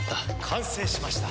完成しました。